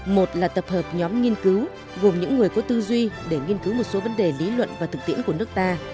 một là tập hợp nhóm nghiên cứu gồm những người có tư duy để nghiên cứu một số vấn đề lý luận và thực tiễn của nước ta